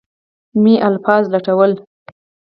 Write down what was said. مې الفاظ لټول.